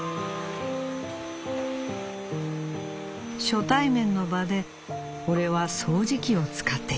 「初対面の場で俺は掃除機を使っていた。